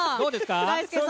大輔さん。